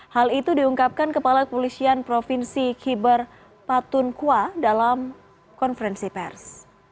hal itu diungkapkan kepala kepolisian provinsi kiber patun kua dalam konferensi pers